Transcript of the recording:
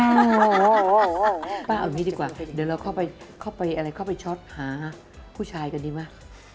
พี่ป้าเอาอย่างนี้ดีกว่าเดี๋ยวเราเข้าไปช็อตหาคู่ชายกันดีมั้ย